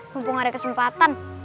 mumpung ada kesempatan